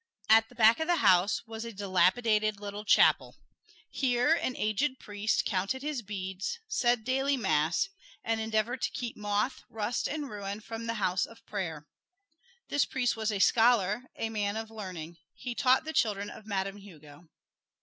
At the back of the house was a dilapidated little chapel. Here an aged priest counted his beads, said daily mass, and endeavored to keep moth, rust and ruin from the house of prayer. This priest was a scholar, a man of learning: he taught the children of Madame Hugo.